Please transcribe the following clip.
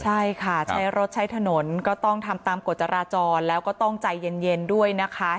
ใช่ค่ะใช้รถใช้ถนนก็ต้องทำตามกฎจราจรแล้วก็ต้องใจเย็นด้วยนะคะ